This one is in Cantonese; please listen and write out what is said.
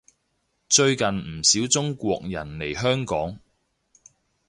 最近唔少中國人嚟香港